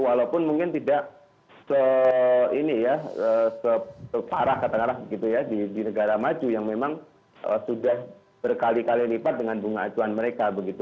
walaupun mungkin tidak se ini ya separah kata kata begitu ya di negara maju yang memang sudah berkali kali lipat dengan bunga acuan mereka begitu